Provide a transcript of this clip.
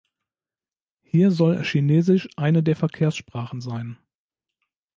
Hier soll Chinesisch eine der Verkehrssprachen sein.